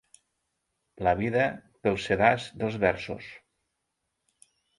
La vida pel sedàs dels versos.